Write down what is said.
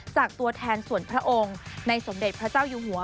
ตัวแทนส่วนพระองค์ในสมเด็จพระเจ้าอยู่หัว